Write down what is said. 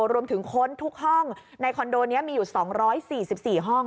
ค้นทุกห้องในคอนโดนี้มีอยู่๒๔๔ห้อง